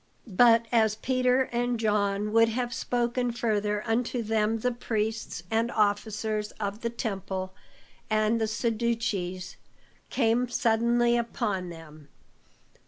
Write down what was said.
But as Peter and John would have spoken further unto them, the Priests and officers of the temple and the Sadducees came suddenly upon them.